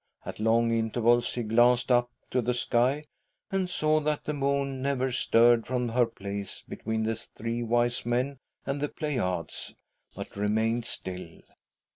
At long intervals he glanced up to the sky, and saw that the moon never stirred from her place between the Three Wise Men and the Pleiades, but remained still.